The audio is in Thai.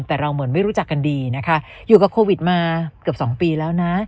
แต่เราเหมือนไม่รู้จักกันดีนะคะอยู่กับโควิดมาเกือบ๒ปีแล้วนะ